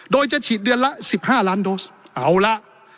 โดยจะฉีดเดือนละ๑๕ล้านโดสเอาละ